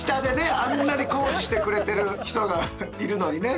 あんなに工事してくれてる人がいるのにね。